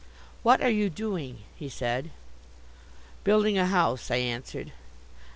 "What are you doing?" he said. "Building a house," I answered.